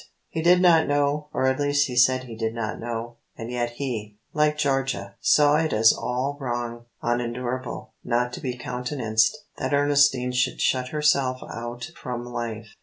He did not know, or at least he said he did not know, and yet he, like Georgia, saw it as all wrong, unendurable, not to be countenanced, that Ernestine should shut herself out from life.